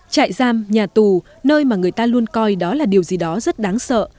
trại giam nhà tù nơi mà người ta luôn coi đó là điều gì đó rất đáng sợ